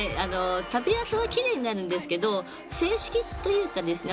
食べあとはキレイになるんですけど正式というかですね